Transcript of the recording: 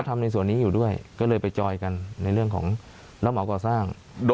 ทำในส่วนนี้อยู่ด้วยก็เลยไปจอยกันในเรื่องของรับเหมาก่อสร้าง